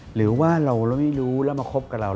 หรือว่าเราไม่รู้แล้วมาคบกับเรา